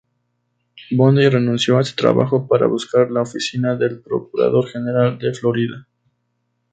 Bondi renunció a este trabajo para buscar la oficina del Procurador General de Florida.